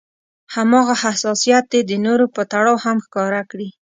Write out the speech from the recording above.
هماغه حساسيت دې د نورو په تړاو هم ښکاره کړي.